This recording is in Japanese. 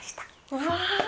うわ。